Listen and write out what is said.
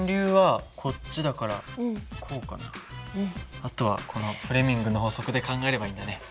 あとはこのフレミングの法則で考えればいいんだね。